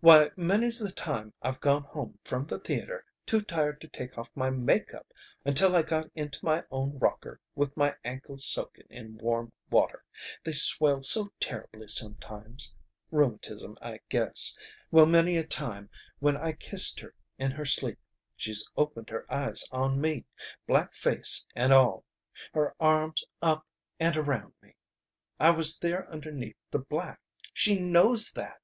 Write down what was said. Why, many's the time I've gone home from the theater, too tired to take off my make up until I got into my own rocker with my ankles soaking in warm water. They swell so terribly sometimes. Rheumatism, I guess. Well, many a time when I kissed her in her sleep she's opened her eyes on me black face and all. Her arms up and around me. I was there underneath the black! She knows that!